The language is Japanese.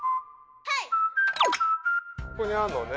ここにあんのね